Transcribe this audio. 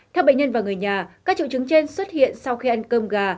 theo bệnh nhân và người nhà các triệu chứng trên xuất hiện sau khi ăn cơm gà